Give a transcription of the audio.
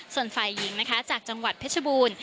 ส่วนฝ่ายหญิงจากจังหวัดเพชรบูล